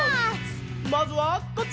まずはこっち！